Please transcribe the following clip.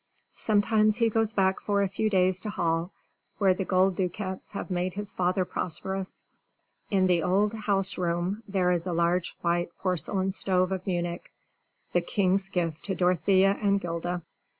Sometimes he goes back for a few days to Hall, where the gold ducats have made his father prosperous. In the old house room there is a large white porcelain stove of Munich, the king's gift to Dorothea and 'Gilda.